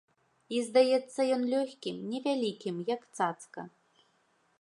І здаецца ён лёгкім, невялікім, як цацка.